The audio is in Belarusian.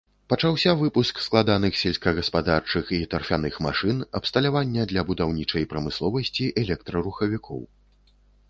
Пачаўся выпуск складаных сельскагаспадарчых і тарфяных машын, абсталявання для будаўнічай прамысловасці, электрарухавікоў.